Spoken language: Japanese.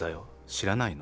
知らないの？